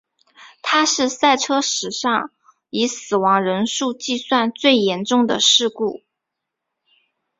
它是赛车史上以死亡人数计算最严重的事故。